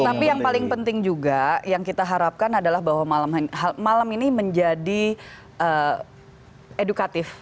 tapi yang paling penting juga yang kita harapkan adalah bahwa malam ini menjadi edukatif